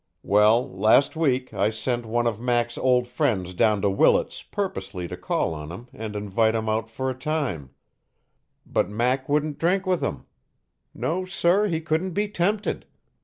Well, last week I sent one of Mac's old friends down to Willits purposely to call on him and invite him out 'for a time'; but Mac wouldn't drink with him. No, sir, he couldn't be tempted.